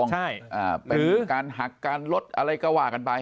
หรือหักการลดอะไรก็ว่ากันไป